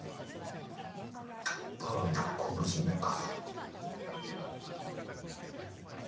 たらの昆布締めか。